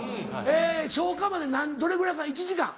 消化までどれぐらいか１時間？